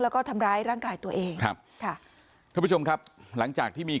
แล้วก็ทำร้ายร่างกายตัวเอง